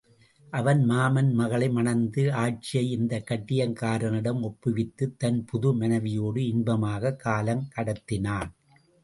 அவன் மாமன் மகளை மணந்து ஆட்சியை இந்தக் கட்டியங்காரனிடம் ஒப்புவித்துத் தன் புது மனைவியோடு இன்பமாகக் காலம் கடத்தினான்.